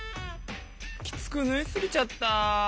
きつくぬいすぎちゃった。